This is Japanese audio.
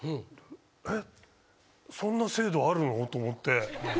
えっそんな制度あるの？と思って。